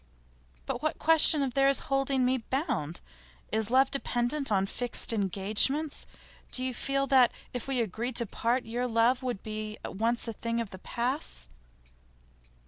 'But what question is there of holding me bound? Is love dependent on fixed engagements? Do you feel that, if we agreed to part, your love would be at once a thing of the past?